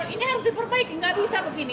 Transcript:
ini harus diperbaiki nggak bisa begini